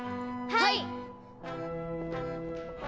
はい！